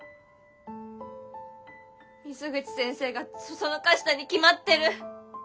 水口先生が唆したに決まってる。